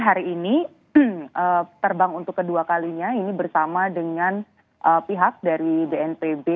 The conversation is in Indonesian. hari ini terbang untuk kedua kalinya ini bersama dengan pihak dari bnpb